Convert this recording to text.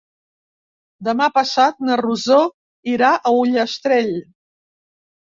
Demà passat na Rosó irà a Ullastrell.